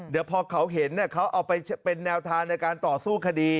เดี๋ยวพอเขาเห็นเขาเอาไปเป็นแนวทางในการต่อสู้คดี